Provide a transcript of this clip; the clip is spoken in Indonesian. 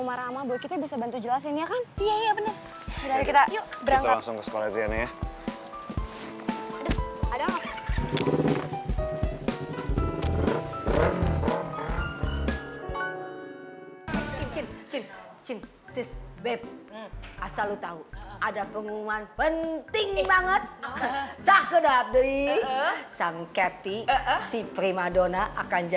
marah sama gue kita bisa bantu jelasin ya kan iya bener kita langsung sekolah ya